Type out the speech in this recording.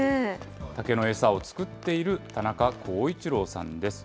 竹の餌を作っている田中浩一郎さんです。